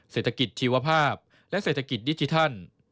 เศรษฐกิจชีวภาพและเศรษฐกิจดิจิทัล